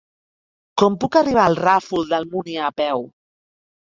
Com puc arribar al Ràfol d'Almúnia a peu?